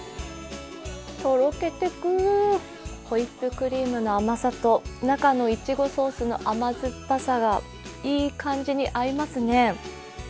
とろけてくホイップクリームの甘さと中のいちごソースの甘酸っぱさがいい感じに合いますね。